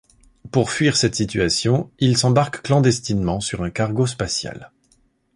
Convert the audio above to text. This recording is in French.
Pour fuir cette situation, il s'embarque clandestinement sur un cargo spatial.